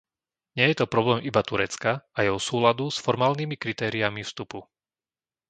Nie je to problém iba Turecka a jeho súladu s formálnymi kritériami vstupu.